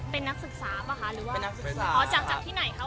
เป็นนักศึกษาป่ะคะหรือว่าเป็นนักศึกษาอ๋อจากจากที่ไหนคะ